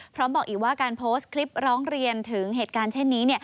บอกอีกว่าการโพสต์คลิปร้องเรียนถึงเหตุการณ์เช่นนี้